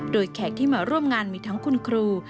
โดยแขกที่มาร่วมงานมีทั้งคุณครู